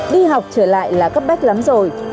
đi học trở lại là cấp bách lắm rồi